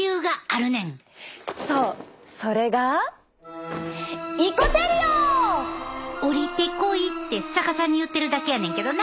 そうそれが「降りてこい」って逆さに言ってるだけやねんけどな。